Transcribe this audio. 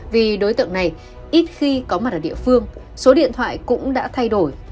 vì đối tượng này ít khi có mặt ở địa phương số điện thoại cũng đã thay đổi